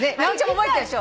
覚えてるでしょ？